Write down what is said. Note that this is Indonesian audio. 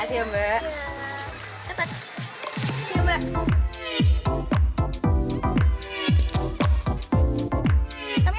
silakan mbak oke terima kasih